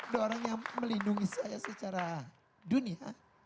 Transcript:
dua orang yang melindungi saya secara dunia